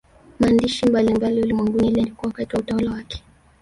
Maandishi mbalimbali ulimwenguni yaliandikwa wakati wa utawala wake